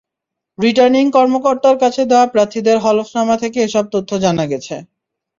Returning কর্মকর্তার কাছে দেওয়া প্রার্থীদের হলফনামা থেকে এসব তথ্য জানা গেছে।